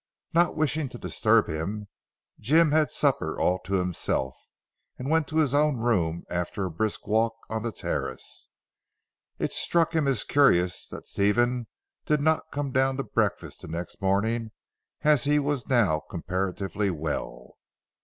Not wishing to disturb him, Jim had supper all to himself, and went to his own room after a brisk walk on the terrace. It struck him as curious that Stephen did not come down to breakfast the next morning as he was now comparatively well.